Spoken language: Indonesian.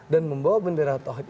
dan membawa bendera tohit